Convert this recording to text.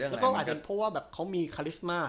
เขาก็เหมือนเพราะเขามีฮาริสม่าย